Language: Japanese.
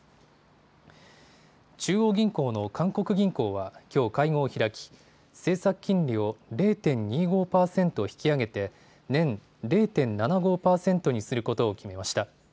中央銀行の韓国銀行は、きょう会合を開き、政策金利を０．２５％引き上げて、年０．７５％にすることを決めました。